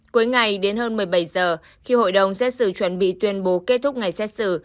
cuối ngày đến hơn một mươi bảy giờ khi hội đồng xét xử chuẩn bị tuyên bố kết thúc ngày xét xử